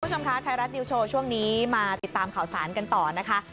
คุณผู้ชมคะไทยรัฐนิวโชว์ช่วงนี้มาติดตามข่าวสารกันต่อนะคะ